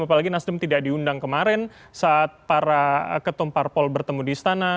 apalagi nasdem tidak diundang kemarin saat para ketumparpol bertemu di istana